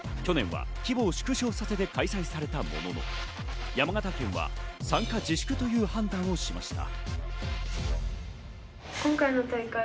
去年は規模を縮小させて開催されたものの、山形県は参加自粛という判断をしました。